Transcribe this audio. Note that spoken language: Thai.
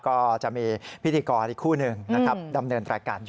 ก็จะมีพิธีกรอีกคู่หนึ่งนะครับดำเนินรายการอยู่